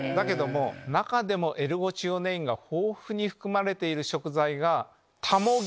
中でもエルゴチオネインが豊富に含まれている食材が。